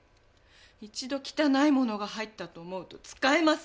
一度汚いものが入ったと思うと使えません。